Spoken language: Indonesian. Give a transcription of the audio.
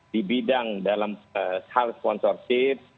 di bidang dalam hal sponsorship